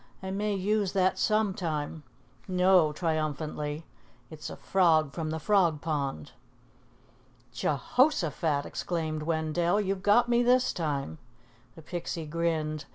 "I may use that some time. No," triumphantly, "it's a frog from the Frog Pond." "Je hoshaphat!" exclaimed Wendell. "You've got me this time." The Pixie grinned.